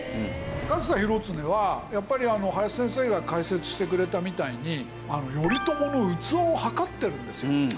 上総広常はやっぱり林先生が解説してくれたみたいに頼朝の器を測っているんですよ。